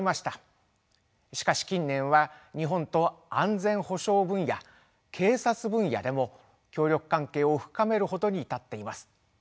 しかし近年は日本と安全保障分野警察分野でも協力関係を深めるほどに至っています。